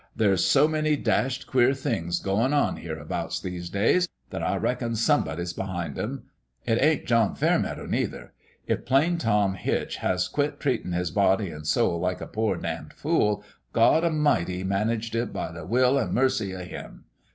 There's so many dashed queer things goin' on hereabouts these days that I reckon Somebody's behind 'em. It ain't John Fairmeadow, neither. If Plain Tom Hitch has quit treatin' his body an' soul like a poor damned fool, God A' mighty managed it by the Will an' Mercy of Him.